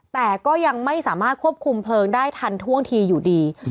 แต่ก็ยังไม่สามารถควบคุมเพลิงได้ทันท่วงทีอยู่ดี